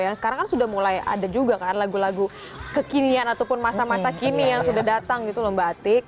yang sekarang kan sudah mulai ada juga kan lagu lagu kekinian ataupun masa masa kini yang sudah datang gitu loh mbak atik